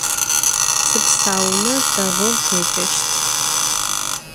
Tıpsaume, değou têceşt.